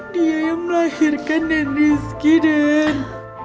dia yang melahirkan den rizky den